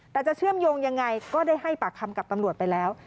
แต่จะเชื่อมโยงยังไงก็ได้ให้ปากคำกับตำรวจไปแล้ว